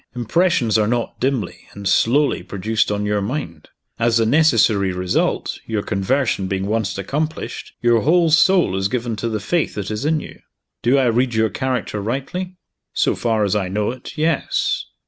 Impressions are not dimly and slowly produced on your mind. As the necessary result, your conversion being once accomplished, your whole soul is given to the Faith that is in you. Do I read your character rightly?" "So far as I know it yes."